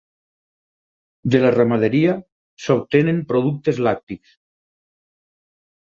De la ramaderia s'obtenen productes làctics.